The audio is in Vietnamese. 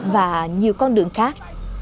và nhiều con đường khác